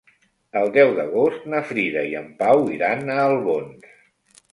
El deu d'agost na Frida i en Pau iran a Albons.